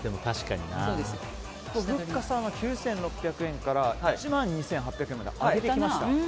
深澤さんは９６００円から１万２８００円まで上げてきました。